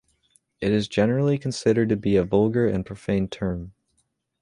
It is generally considered to be a vulgar and profane term.